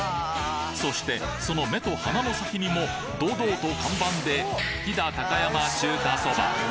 そしてその目と鼻の先にも堂々と看板で「飛騨高山中華そば」